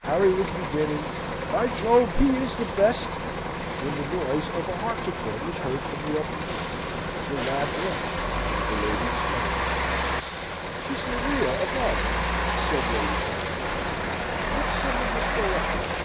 Harry was beginning, "By Jove, he is the best " when the noise of a harpsichord was heard from the upper room. The lad blushed: the ladies smiled. "'Tis Maria, above," said Lady Castlewood. "Let some of us go up to her."